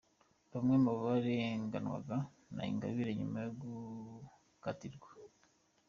Bamwe mu bareganwaga na Ingabire nyuma yo gukatirwa.